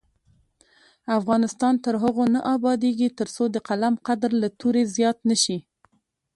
افغانستان تر هغو نه ابادیږي، ترڅو د قلم قدر له تورې زیات نه شي.